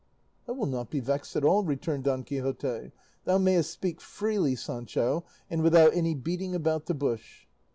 "I will not be vexed at all," returned Don Quixote; "thou mayest speak freely, Sancho, and without any beating about the bush."